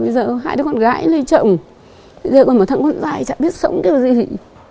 bây giờ hai đứa con gái lấy chồng bây giờ còn một thằng con trai chả biết sống cái gì